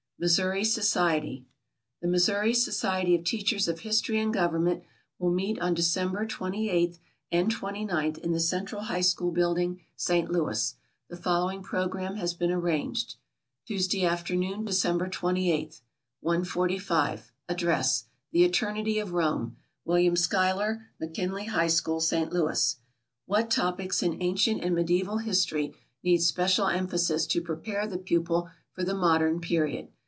MISSOURI SOCIETY. The Missouri Society of Teachers of History and Government will meet on December 28th and 29th in the Central High School Building, St. Louis. The following program has been arranged: TUESDAY AFTERNOON, DECEMBER 28TH. 1.45 Address: "The Eternity of Rome," William Schuyler, McKinley High School, St. Louis. "What Topics in Ancient and Mediæval History Need Special Emphasis to Prepare the Pupil for the Modern Period?"